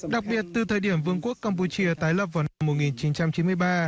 đặc biệt từ thời điểm vương quốc campuchia tái lập vào năm một nghìn chín trăm chín mươi ba